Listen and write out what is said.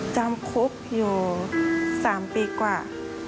จำคุกอยู่๓ปีกว่า